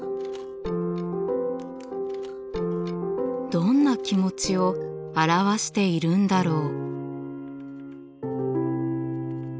どんな気持ちを表しているんだろう？